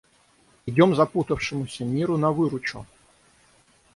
Идем запутавшемуся миру на выручу!